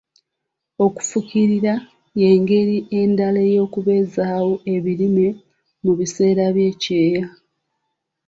Okufukirira y'engeri endala ey'okubeezaawo ebirime mu biseera by'ekyeya.